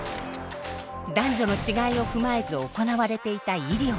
男女の違いを踏まえず行われていた医療。